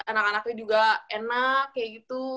anak anaknya juga enak kayak gitu